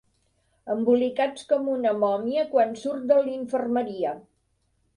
Embolicats com una mòmia quan surt de l'infermeria.